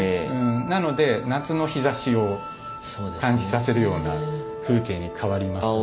なので夏の日ざしを感じさせるような風景に変わりますね。